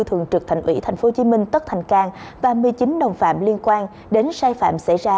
thường trực thành ủy tp hcm tất thành cang và một mươi chín đồng phạm liên quan đến sai phạm xảy ra